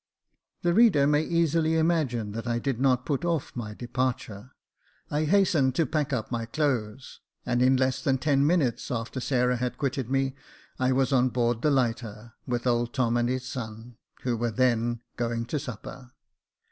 The reader may easily imagine that I did not put ofF my departure. I hastened to pack up my clothes, and in less than ten minutes after Sarah had quitted me, I was on board the lighter, with old Tom and his son, who were then going to supper.